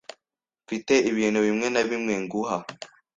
Mfite ibintu bimwe na bimwe nguha.